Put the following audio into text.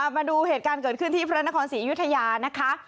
มาดูเหตุการณ์เกิดขึ้นที่พระนครศรีอยุธยานะคะ